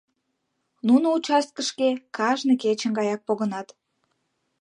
Нуно участкышке кажне кечын гаяк погынат.